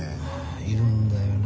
いるんだよな